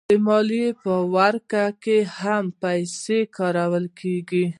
د مال په ورکړه کې هم پیسې کارول کېږي